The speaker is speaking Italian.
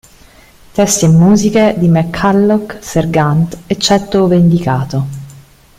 Testi e musiche di McCulloch, Sergeant, eccetto ove indicato.